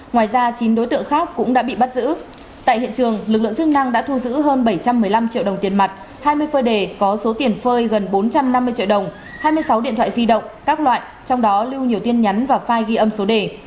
ngoài ra chín đối tượng khác cũng đã bị bắt giữ tại hiện trường lực lượng chức năng đã thu giữ hơn bảy trăm một mươi năm triệu đồng tiền mặt hai mươi phơi đề có số tiền phơi gần bốn trăm năm mươi triệu đồng hai mươi sáu điện thoại di động các loại trong đó lưu nhiều tin nhắn và file ghi âm số đề